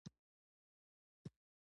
نیکه د عاجزۍ ستاینه کوي.